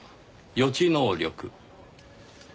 予知能力？